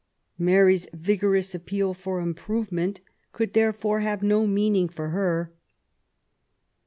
Mary's vigorous appeal for improvement could, therefore, have no meaning for her.